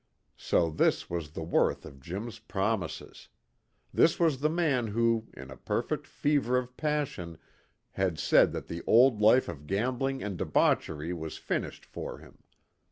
So this was the worth of Jim's promises! This was the man who, in a perfect fever of passion, had said that the old life of gambling and debauchery was finished for him.